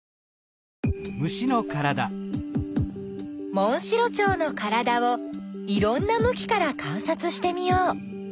モンシロチョウのからだをいろんなむきからかんさつしてみよう。